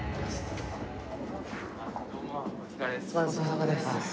お疲れさまです。